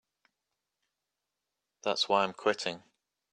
That's why I'm quitting.